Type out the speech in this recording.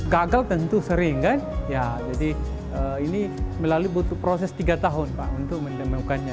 gagal tentu sering kan jadi ini melalui proses tiga tahun untuk mendemukannya